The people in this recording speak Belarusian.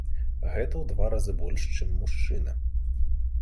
Гэта ў два разы больш, чым мужчына.